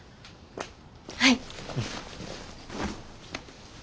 はい。